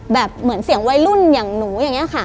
เหมือนเสียงวัยรุ่นอย่างหนูอย่างนี้ค่ะ